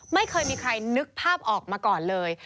ไม่เคยมีใครนึกภาพออกมาก่อนเลย